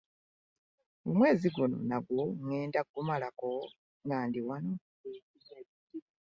Omwezi guno nagwo ŋŋenda kugumalako nga ndi wano?